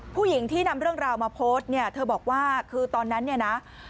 ผู้หญิงที่นำเรื่องราวมาโพสต์เนี่ยเธอบอกว่าคือตอนนั้นเนี่ยนะ